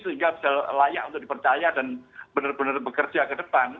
sehingga bisa layak untuk dipercaya dan benar benar bekerja ke depan